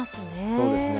そうですね。